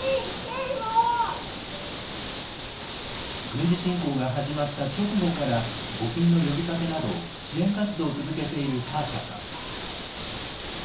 軍事侵攻が始まった直後から、募金の呼びかけなど、支援活動を続けているサーシャさん。